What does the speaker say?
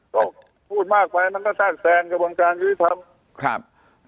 ก็พูดมากไปมันก็จากแสงกระบวนการคือทำครับ